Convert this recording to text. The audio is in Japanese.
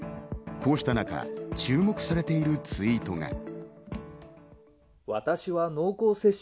こうした中、注目されているツイートが。